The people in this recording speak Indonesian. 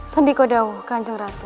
sendikodowo kancang ratu